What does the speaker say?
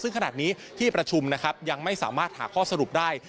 ซึ่งขนาดนี้ที่ประชุมนะครับยังไม่สามารถหาข้อสรุปได้